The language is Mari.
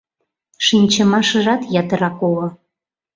Шинчымашыжат ятырак уло.